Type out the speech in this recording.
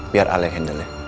biar al yang handle nya